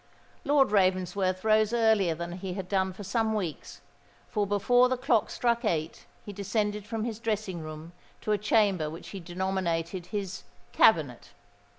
Lord Ravensworth rose earlier than he had done for some weeks; for before the clock struck eight he descended from his dressing room to a chamber which he denominated his "cabinet."